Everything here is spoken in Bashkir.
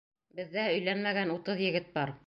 Беҙҙә өйләнмәгән утыҙ егет бар.